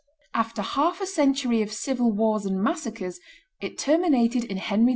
After half a century of civil wars and massacres it terminated in Henry IV.